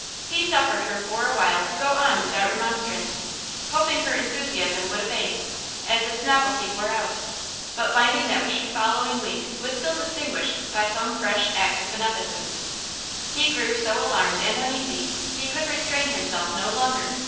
He suffered her for a while to go on without remonstrance, hoping her enthusiasm would abate, as its novelty wore out: but finding that week following week was still distinguished by some fresh act of beneficence, he grew so alarmed and uneasy, he could restrain himself no longer.